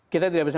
kita tidak bisa